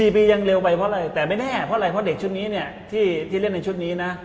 ๔ปียังเร็วไปเพราะอะไรแต่ไม่แน่เพราะอะไรเพราะเด็กชุดนี้เนี่ยที่เล่นในชุดนี้นะ